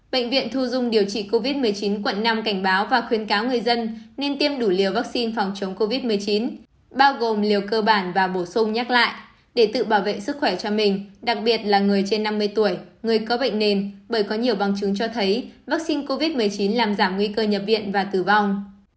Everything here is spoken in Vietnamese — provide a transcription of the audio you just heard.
bệnh viện thu dung điều trị covid một mươi chín quận năm cảnh báo và khuyến cáo người dân nên tiêm đủ liều vaccine phòng chống covid một mươi chín bao gồm liều cơ bản và bổ sung nhắc lại để tự bảo vệ sức khỏe cho mình đặc biệt là người trên năm mươi tuổi người có bệnh nền bởi có nhiều bằng chứng cho thấy vaccine covid một mươi chín làm giảm nguy cơ nhập viện và tử vong